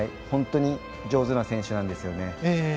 本当に上手な選手なんですよね。